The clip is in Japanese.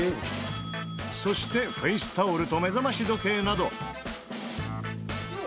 そしてフェイスタオルと目覚まし時計など。